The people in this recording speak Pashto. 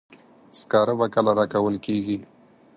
سکاره به کله راکول کیږي.